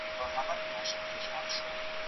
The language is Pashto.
لیکل د ذهن تمرکز زیاتوي.